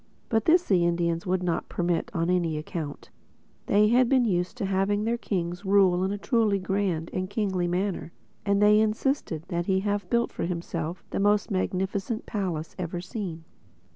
But this the Indians would not permit on any account. They had been used to having their kings rule in a truly grand and kingly manner; and they insisted that he have built for himself the most magnificent palace ever seen.